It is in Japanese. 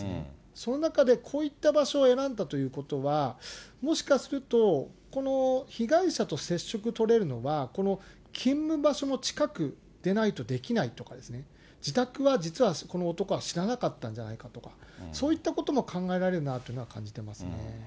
その中で、こういった場所を選んだということは、もしかすると、この被害者と接触とれるのは、この勤務場所の近くでないとできないとか、自宅は実はこの男は知らなかったんじゃないかとか、そういったことも考えられるなというのは感じてますね。